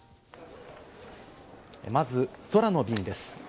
まず空の便です。